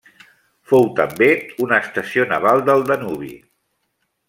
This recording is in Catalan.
Fou també una estació naval del Danubi.